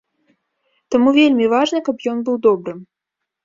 Таму вельмі важна, каб ён быў добрым.